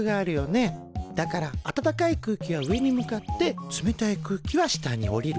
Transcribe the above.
だから温かい空気は上に向かって冷たい空気は下に下りる。